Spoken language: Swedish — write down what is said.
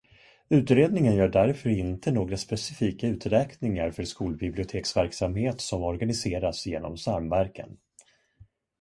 Utredningen gör därför inte några specifika uträkningar för skolbiblioteksverksamhet som organiseras genom samverkan.